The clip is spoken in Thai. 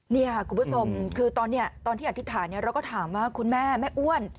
นี่ค่ะคุณผู้ชมคือตอนนี้ตอนที่อธิษฐานเราก็ถามว่าคุณแม่แม่อ้วน